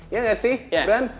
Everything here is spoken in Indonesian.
iya gak sih gibran